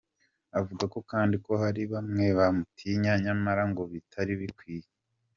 avuga kandi ko hari bamwe bamutinya nyamara ngo bitari bikwiye.